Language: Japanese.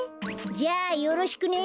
じゃあよろしくね。